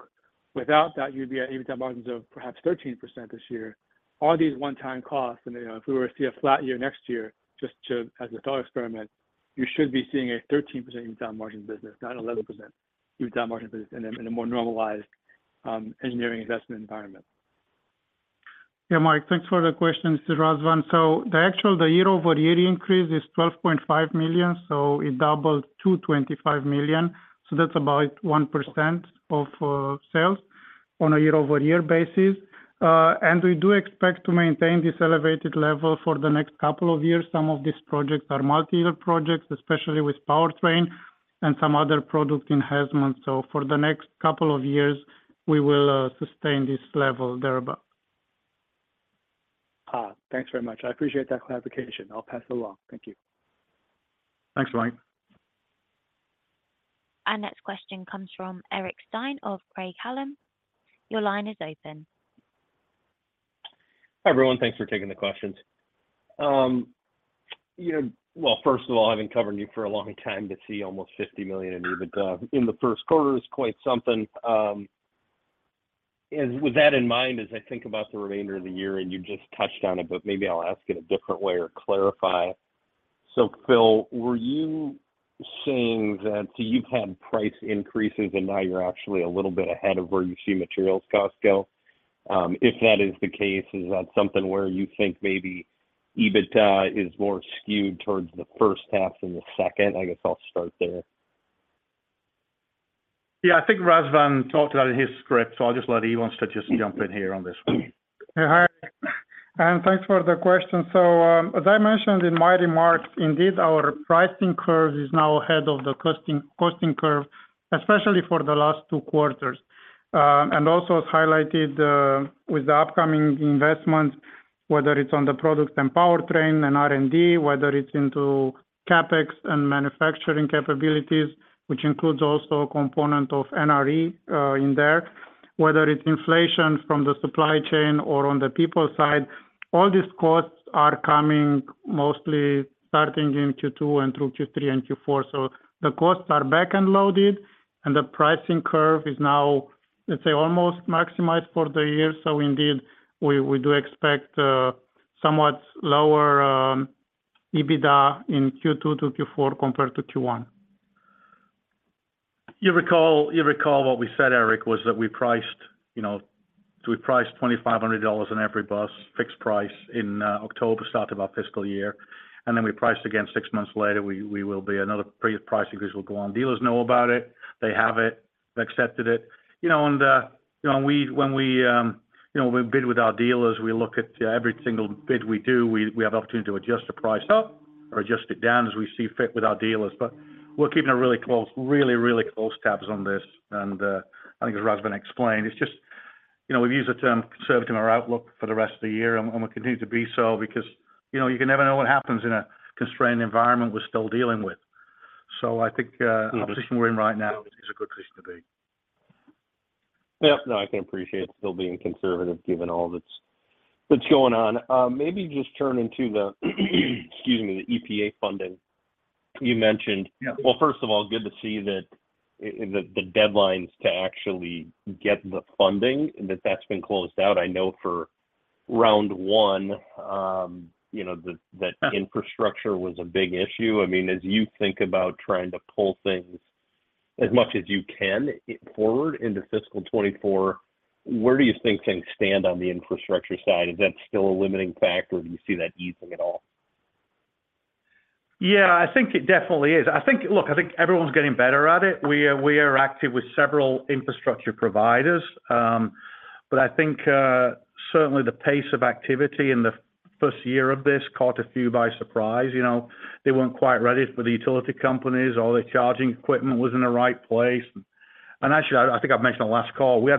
[SPEAKER 5] without that, you'd be at EBITDA margins of perhaps 13% this year. Are these one-time costs? And, you know, if we were to see a flat year next year, as a thought experiment, you should be seeing a 13% EBITDA margin business, not 11% EBITDA margin business in a more normalized engineering investment environment.
[SPEAKER 4] Yeah, Mike, thanks for the question. This is Razvan. So the actual, the year-over-year increase is $12.5 million, so it doubled to $25 million. So that's about 1% of sales on a year-over-year basis. And we do expect to maintain this elevated level for the next couple of years. Some of these projects are multi-year projects, especially with powertrain and some other product enhancements. So for the next couple of years, we will sustain this level thereabout.
[SPEAKER 5] Ah, thanks very much. I appreciate that clarification. I'll pass it along. Thank you.
[SPEAKER 3] Thanks, Mike.
[SPEAKER 1] Our next question comes from Eric Stein of Craig-Hallum. Your line is open.
[SPEAKER 6] Hi, everyone. Thanks for taking the questions. You know, well, first of all, I haven't covered you for a long time, to see almost $50 million in EBITDA in the Q1 is quite something. And with that in mind, as I think about the remainder of the year, and you just touched on it, but maybe I'll ask it a different way or clarify. So Phil, were you saying that so you've had price increases, and now you're actually a little bit ahead of where you see materials costs go? If that is the case, is that something where you think maybe EBITDA is more skewed towards the first half than the second? I guess I'll start there.
[SPEAKER 3] Yeah, I think Razvan talked about it in his script, so I'll just let him, he wants to just jump in here on this one.
[SPEAKER 4] Yeah, hi, and thanks for the question. So, as I mentioned in my remarks, indeed, our pricing curve is now ahead of the costing curve, especially for the last two quarters. And also as highlighted, with the upcoming investments, whether it's on the products and powertrain and R&D, whether it's into CapEx and manufacturing capabilities, which includes also a component of NRE in there, whether it's inflation from the supply chain or on the people side, all these costs are coming mostly starting in Q2 and through Q3 and Q4. So the costs are back-end loaded, and the pricing curve is now, let's say, almost maximized for the year. So indeed, we do expect somewhat lower EBITDA in Q2 to Q4 compared to Q1.
[SPEAKER 3] You recall, you recall what we said, Eric, was that we priced, you know, so we priced $2,500 on every bus, fixed price in October, start of our fiscal year, and then we priced again six months later. We will be another price increase will go on. Dealers know about it, they have it, they accepted it. You know, and, you know, and we, when we, you know, we bid with our dealers, we look at every single bid we do, we have the opportunity to adjust the price up or adjust it down as we see fit with our dealers. But we're keeping a really close, really, really close tabs on this, and, I think as Razvan explained, it's just, you know, we've used the term conservative in our outlook for the rest of the year, and, and we continue to be so because, you know, you can never know what happens in a constrained environment we're still dealing with. So I think, our position we're in right now is a good position to be.
[SPEAKER 6] Yep. No, I can appreciate still being conservative, given all that's going on. Maybe just turn to the, excuse me, the EPA funding you mentioned.
[SPEAKER 3] Yeah.
[SPEAKER 6] Well, first of all, good to see that the deadlines to actually get the funding, that's been closed out. I know for round one, you know, that infrastructure was a big issue. I mean, as you think about trying to pull things as much as you can forward into fiscal 2024, where do you think things stand on the infrastructure side? Is that still a limiting factor, or do you see that easing at all?
[SPEAKER 3] Yeah, I think it definitely is. I think—Look, I think everyone's getting better at it. We are active with several infrastructure providers. But I think certainly the pace of activity in the first year of this caught a few by surprise. You know, they weren't quite ready for the utility companies, all the charging equipment was in the right place. And actually, I think I've mentioned on the last call, we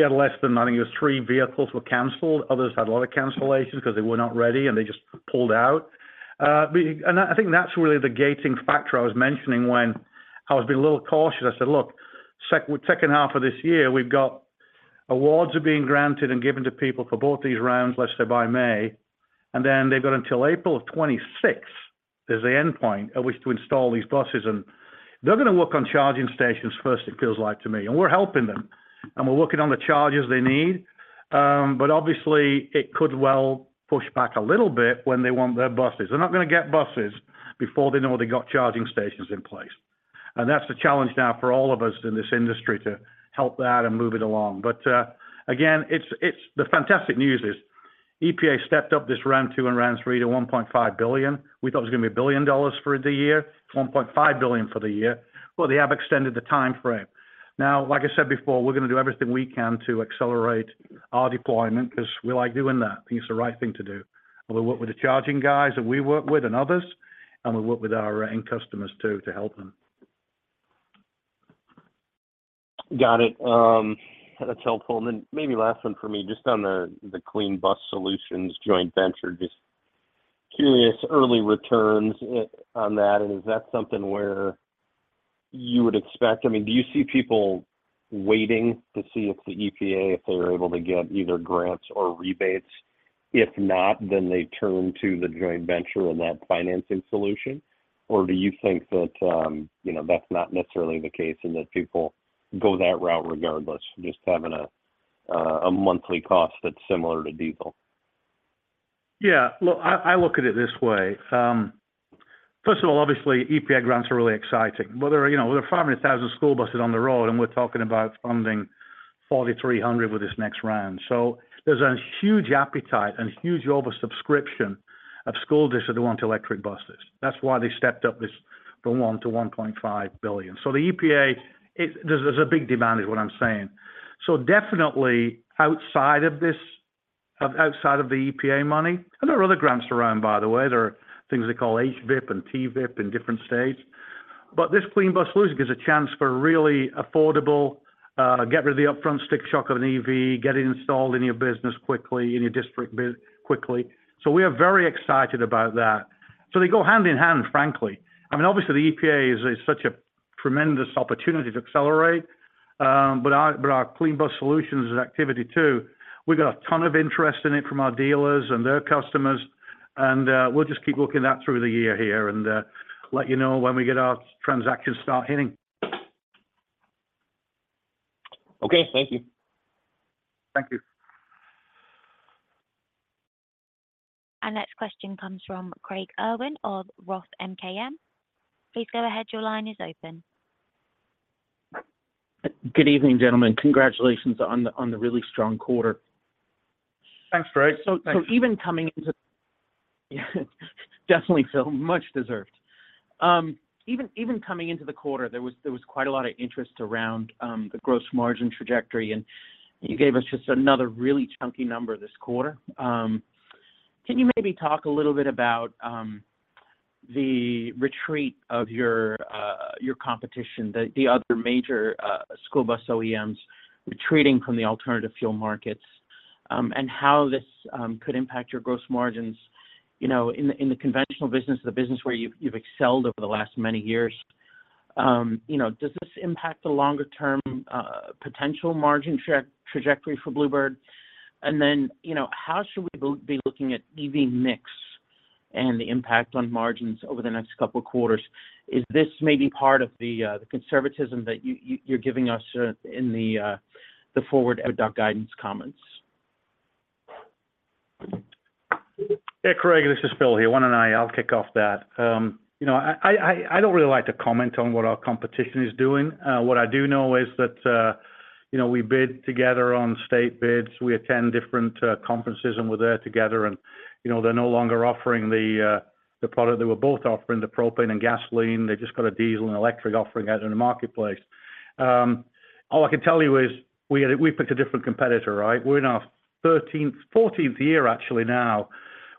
[SPEAKER 3] had less than, I think it was three vehicles canceled. Others had a lot of cancellations because they were not ready, and they just pulled out. But I think that's really the gating factor I was mentioning when I was being a little cautious. I said, "Look, second half of this year, we've got awards are being granted and given to people for both these rounds, let's say by May, and then they've got until April of 2026, is the endpoint at which to install these buses." And they're going to work on charging stations first, it feels like to me, and we're helping them, and we're working on the charges they need. But obviously, it could well push back a little bit when they want their buses. They're not going to get buses before they know they got charging stations in place. And that's the challenge now for all of us in this industry, to help that and move it along. But, again, it's the fantastic news is EPA stepped up this round two and round three to $1.5 billion. We thought it was going to be $1 billion for the year, $1.5 billion for the year. Well, they have extended the time frame. Now, like I said before, we're going to do everything we can to accelerate our deployment because we like doing that. I think it's the right thing to do. We work with the charging guys that we work with and others, and we work with our end customers, too, to help them.
[SPEAKER 6] Got it. That's helpful. And then maybe last one for me, just on the Clean Bus Solutions joint venture, curious early returns on that, and is that something where you would expect—I mean, do you see people waiting to see if the EPA, if they were able to get either grants or rebates? If not, then they turn to the joint venture and that financing solution? Or do you think that, you know, that's not necessarily the case and that people go that route regardless, just having a monthly cost that's similar to diesel?
[SPEAKER 3] Yeah, look, I look at it this way. First of all, obviously, EPA grants are really exciting. Well, there are, you know, there are 500,000 school buses on the road, and we're talking about funding 4,300 with this next round. So there's a huge appetite and huge oversubscription of school districts that want electric buses. That's why they stepped up this from $1 billion to $1.5 billion. So the EPA, it. There's a big demand, is what I'm saying. So definitely outside of this, outside of the EPA money, and there are other grants around, by the way, there are things they call HVIP and TVIP in different states. But this Clean Bus Solutions gives a chance for really affordable, get rid of the upfront stick shock of an EV, get it installed in your business quickly, in your district quickly. So we are very excited about that. So they go hand in hand, frankly. I mean, obviously, the EPA is such a tremendous opportunity to accelerate, but our Clean Bus Solutions is active, too. We got a ton of interest in it from our dealers and their customers, and we'll just keep looking at that through the year here and let you know when we get our transactions start hitting.
[SPEAKER 6] Okay, thank you.
[SPEAKER 3] Thank you.
[SPEAKER 1] Our next question comes from Craig Irwin of Roth MKM. Please go ahead, your line is open.
[SPEAKER 7] Good evening, gentlemen. Congratulations on the really strong quarter.
[SPEAKER 3] Thanks, Craig. Thanks.
[SPEAKER 7] So even coming into—Definitely feel much deserved. Even coming into the quarter, there was quite a lot of interest around the gross margin trajectory, and you gave us just another really chunky number this quarter. Can you maybe talk a little bit about the retreat of your competition, the other major school bus OEMs retreating from the alternative fuel markets, and how this could impact your gross margins, you know, in the conventional business, the business where you've excelled over the last many years? You know, does this impact the longer-term potential margin trajectory for Blue Bird? And then, you know, how should we be looking at EV mix and the impact on margins over the next couple of quarters? Is this maybe part of the conservatism that you're giving us in the forward guidance comments?
[SPEAKER 3] Yeah, Craig, this is Phil here. Why don't I... I'll kick off that. You know, I don't really like to comment on what our competition is doing. What I do know is that, you know, we bid together on state bids, we attend different conferences, and we're there together, and, you know, they're no longer offering the product. They were both offering the propane and gasoline. They just got a diesel and electric offering out in the marketplace. All I can tell you is we had, we picked a different competitor, right? We're in our 13th, 14th year, actually now,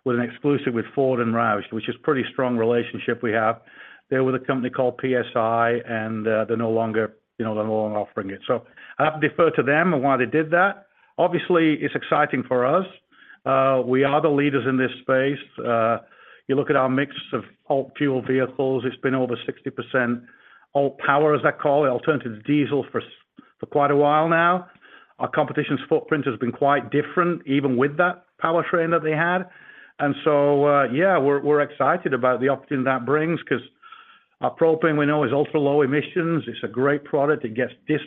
[SPEAKER 3] with an exclusive with Ford and Roush, which is pretty strong relationship we have. They're with a company called PSI, and, they're no longer, you know, they're no longer offering it. So I have to defer to them on why they did that. Obviously, it's exciting for us. We are the leaders in this space. You look at our mix of alt fuel vehicles, it's been over 60% alt power, as they call it, alternative diesel, for quite a while now. Our competition's footprint has been quite different, even with that powertrain that they had. And so, yeah, we're excited about the opportunity that brings because our propane, we know, is ultra-low emissions. It's a great product. It gets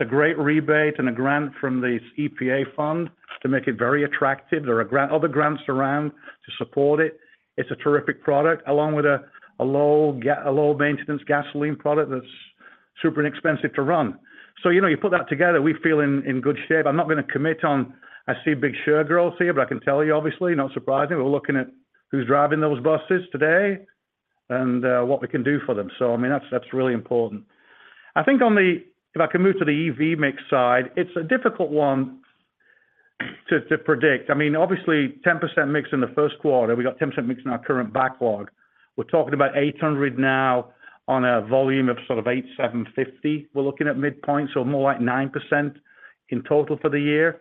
[SPEAKER 3] a great rebate and a grant from this EPA fund to make it very attractive. There are other grants around to support it. It's a terrific product, along with a low-maintenance gasoline product that's super inexpensive to run. So, you know, you put that together, we feel in good shape. I'm not going to commit on, I see big share growth here, but I can tell you, obviously, not surprising, we're looking at who's driving those buses today and what we can do for them. So I mean, that's really important. I think on the – if I can move to the EV mix side, it's a difficult one to predict. I mean, obviously, 10% mix in the Q1, we got 10% mix in our current backlog. We're talking about 800 now on a volume of sort of 8,750. We're looking at midpoints, so more like 9% in total for the year.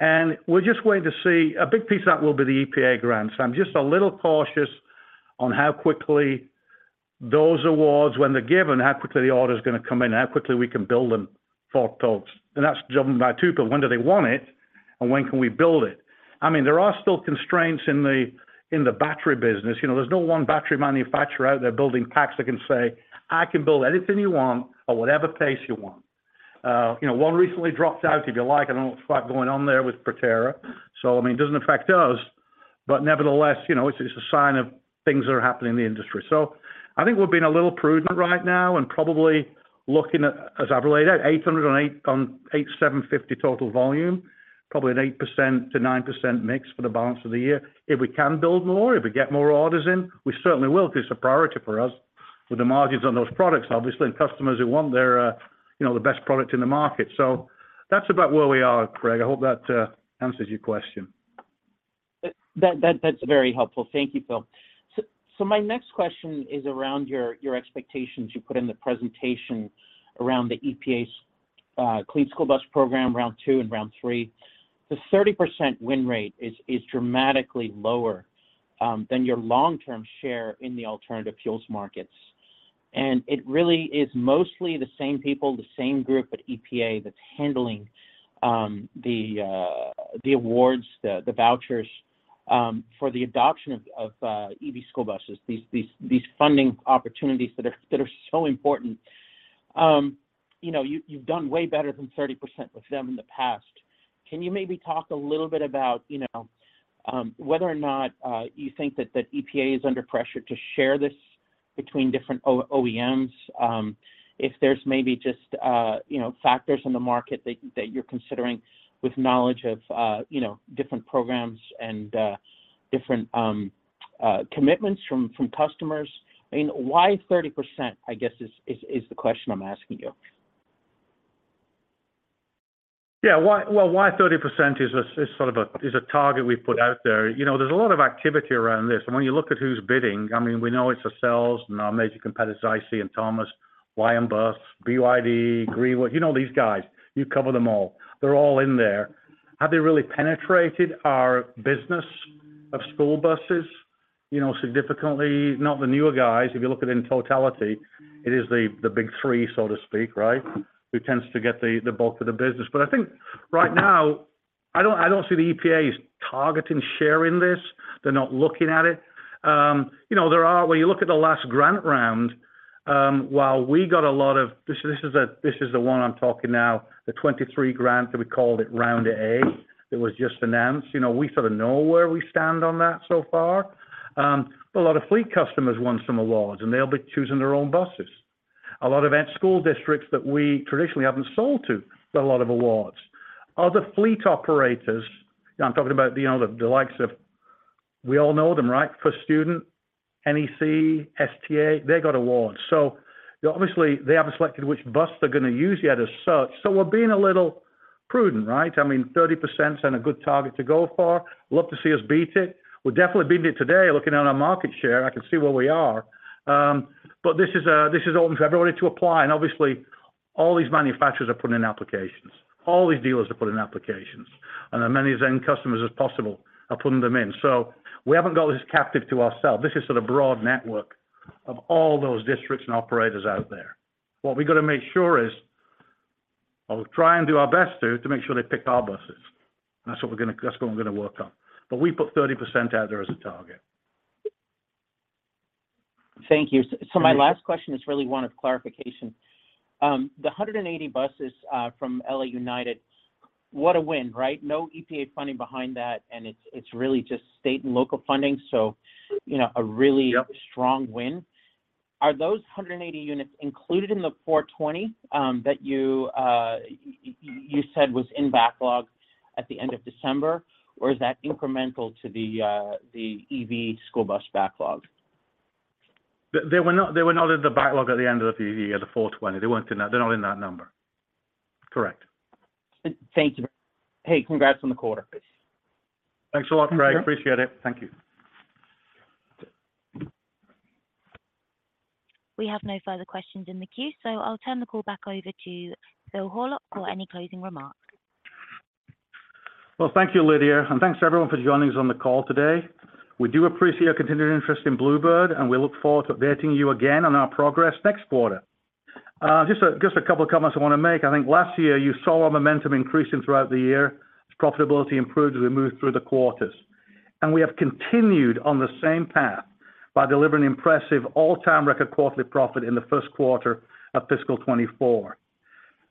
[SPEAKER 3] And we're just waiting to see. A big piece of that will be the EPA grants. I'm just a little cautious on how quickly those awards, when they're given, how quickly the order is going to come in, how quickly we can build them for folks. And that's driven by two, but when do they want it, and when can we build it? I mean, there are still constraints in the, in the battery business. You know, there's no one battery manufacturer out there building packs that can say, "I can build anything you want at whatever pace you want." You know, one recently dropped out, if you like. I don't know what's quite going on there with Proterra. So, I mean, it doesn't affect us, but nevertheless, you know, it's, it's a sign of things that are happening in the industry. So I think we've been a little prudent right now and probably looking at, as I've laid out, 808 on 850 total volume, probably an 8%-9% mix for the balance of the year. If we can build more, if we get more orders in, we certainly will because it's a priority for us with the margins on those products, obviously, and customers who want their, you know, the best product in the market. So that's about where we are, Craig. I hope that answers your question.
[SPEAKER 7] That's very helpful. Thank you, Phil. So my next question is around your expectations you put in the presentation around the EPA's Clean School Bus Program, round two and round three, the 30% win rate is dramatically lower than your long-term share in the alternative fuels markets. And it really is mostly the same people, the same group at EPA that's handling the awards, the vouchers for the adoption of EV school buses, these funding opportunities that are so important. You know, you've done way better than 30% with them in the past. Can you maybe talk a little bit about, you know, whether or not you think that the EPA is under pressure to share this between different OEMs? If there's maybe just factors in the market that you're considering with knowledge of different programs and different commitments from customers. I mean, why 30%, I guess, is the question I'm asking you?
[SPEAKER 3] Yeah. Why? Well, why 30% is a, is sort of a, is a target we've put out there? You know, there's a lot of activity around this, and when you look at who's bidding, I mean, we know it's a sales, and our major competitors, IC and Thomas, Lion Bus, BYD, GreenPower. You know these guys. You cover them all. They're all in there. Have they really penetrated our business of school buses, you know, significantly? Not the newer guys. If you look at it in totality, it is the, the big three, so to speak, right? Who tends to get the, the bulk of the business. But I think right now, I don't, I don't see the EPA is targeting sharing this. They're not looking at it. You know, there are. When you look at the last grant round, while we got a lot of... This is the one I'm talking now, the 23 grants that we called it Round A. It was just announced. You know, we sort of know where we stand on that so far. But a lot of fleet customers won some awards, and they'll be choosing their own buses. A lot of our school districts that we traditionally haven't sold to got a lot of awards. Other fleet operators, I'm talking about, you know, the likes of. We all know them, right? First Student, NEC, STA, they got awards. So obviously, they haven't selected which bus they're going to use yet as such, so we're being a little prudent, right? I mean, 30% is a good target to go for. Love to see us beat it. We'll definitely beat it today, looking at our market share, I can see where we are. But this is open for everybody to apply, and obviously, all these manufacturers are putting in applications. All these dealers are putting in applications, and as many of their own customers as possible are putting them in. So we haven't got this captive to ourselves. This is sort of broad network of all those districts and operators out there. What we got to make sure is, I'll try and do our best to make sure they pick our buses, and that's what we're gonna, that's what we're gonna work on. But we put 30% out there as a target.
[SPEAKER 7] Thank you. So my last question is really one of clarification. The 180 buses from LA Unified, what a win, right? No EPA funding behind that, and it's really just state and local funding, so, you know, a really strong win. Are those 180 units included in the 420 that you said was in backlog at the end of December? Or is that incremental to the EV school bus backlog?
[SPEAKER 3] They were not, they were not in the backlog at the end of the year, 2024. They weren't in that, they're not in that number. Correct.
[SPEAKER 7] Thank you. Hey, congrats on the quarter.
[SPEAKER 3] Thanks a lot, Craig. Appreciate it. Thank you.
[SPEAKER 1] We have no further questions in the queue, so I'll turn the call back over to Phil Horlock for any closing remarks.
[SPEAKER 3] Well, thank you, Lydia, and thanks to everyone for joining us on the call today. We do appreciate your continued interest in Blue Bird, and we look forward to updating you again on our progress next quarter. Just a couple of comments I want to make. I think last year, you saw our momentum increasing throughout the year, as profitability improved, as we moved through the quarters. And we have continued on the same path by delivering impressive all-time record quarterly profit in the Q1 of fiscal 2024.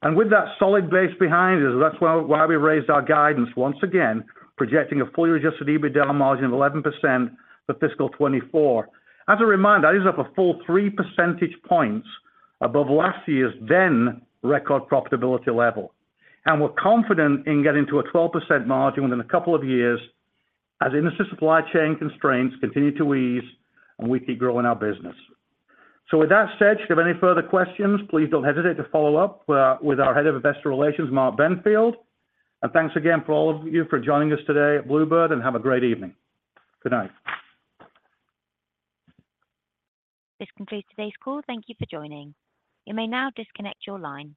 [SPEAKER 3] And with that solid base behind us, that's why we raised our guidance, once again, projecting a full year Adjusted EBITDA margin of 11% for fiscal 2024. As a reminder, that is up a full three percentage points above last year's then record profitability level. And we're confident in getting to a 12% margin within a couple of years, as industry supply chain constraints continue to ease, and we keep growing our business. So with that said, if you have any further questions, please don't hesitate to follow up with our Head of Investor Relations, Mark Benfield. And thanks again for all of you for joining us today at Blue Bird, and have a great evening. Good night.
[SPEAKER 1] This concludes today's call. Thank you for joining. You may now disconnect your line.